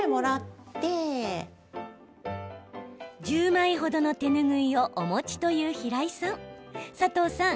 １０枚ほどの手ぬぐいをお持ちという平井さん。